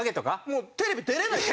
もうテレビ出れない。